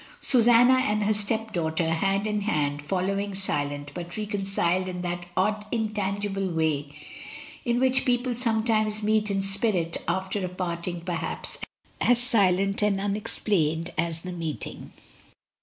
Susanna and her stepdaughter, hand in hand, following silent, but reconciled in that odd intangible way in which people sometimes meet in spirit after a parting perhaps as silent and un explained as the meeting.